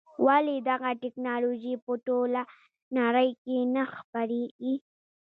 ولې دغه ټکنالوژي په ټوله نړۍ کې نه خپرېږي.